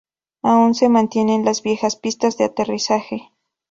Aún se mantienen las viejas pistas de aterrizaje.